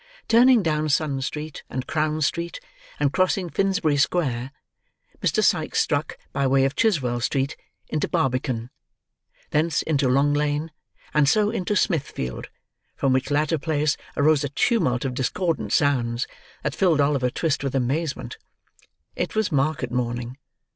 Turning down Sun Street and Crown Street, and crossing Finsbury square, Mr. Sikes struck, by way of Chiswell Street, into Barbican: thence into Long Lane, and so into Smithfield; from which latter place arose a tumult of discordant sounds that filled Oliver Twist with amazement. It was market morning.